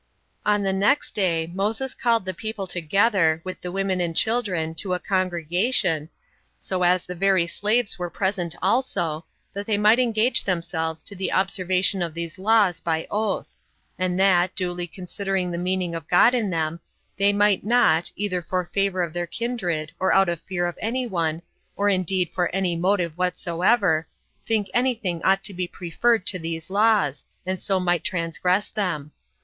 45. On the next day, Moses called the people together, with the women and children, to a congregation, so as the very slaves were present also, that they might engage themselves to the observation of these laws by oath; and that, duly considering the meaning of God in them, they might not, either for favor of their kindred, or out of fear of any one, or indeed for any motive whatsoever, think any thing ought to be preferred to these laws, and so might transgress them.